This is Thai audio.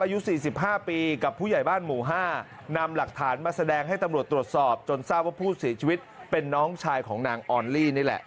อายุ๔๕ปีกับผู้ใหญ่บ้านหมู่๕นำหลักฐานมาแสดงให้ตำรวจตรวจสอบจนทราบว่าผู้เสียชีวิตเป็นน้องชายของนางออลลี่นี่แหละ